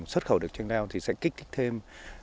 xuất khẩu được chanh leo sẽ kích thích thêm